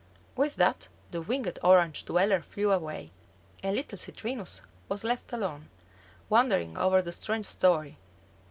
With that the winged Orange dweller flew away, and little Citrinus was left alone, wondering over the strange story.